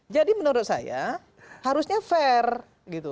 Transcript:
jadi menurut saya harusnya fair gitu